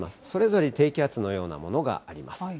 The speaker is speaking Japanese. それぞれ低気圧のようなものがあります。